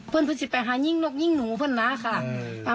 ที่นี่นะครับภารกิจไม่ได้